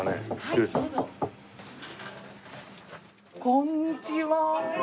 こんにちは。